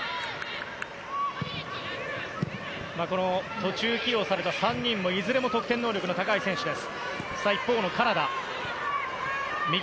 途中起用された３人いずれも得点能力の高い選手です。